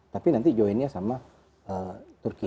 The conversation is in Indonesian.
tapi nanti joinnya sama turki